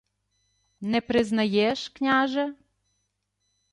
— Не признаєш, княже?